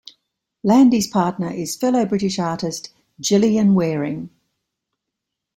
Landy's partner is fellow British artist Gillian Wearing.